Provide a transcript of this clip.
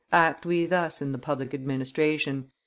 Act we thus in the public administration.